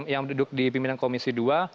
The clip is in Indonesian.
yang duduk di pimpinan komisi dua